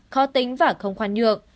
khó tính và không khoan nhược